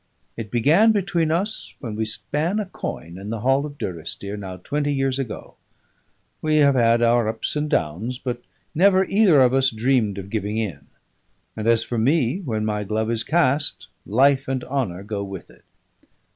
It began between us when we span a coin in the hall of Durrisdeer, now twenty years ago; we have had our ups and downs, but never either of us dreamed of giving in; and as for me, when my glove is cast, life and honour go with it."